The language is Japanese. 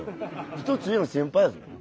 １つ上の先輩やぞ。